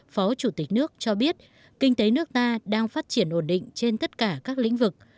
phó chủ tịch nước cho biết kinh tế nước ta đang phát triển ổn định trên tất cả các lĩnh vực